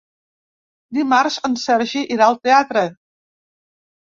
Dimarts en Sergi irà al teatre.